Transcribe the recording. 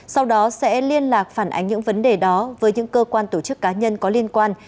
sau đó sẽ liên lạc phản ánh những vấn đề đó với những cơ quan tổ chức cá nhân có liên quan